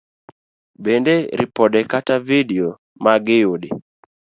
Bende, ripode kata vidio ma giyud